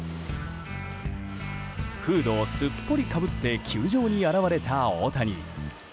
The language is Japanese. フードをすっぽりかぶって球場に現れた大谷。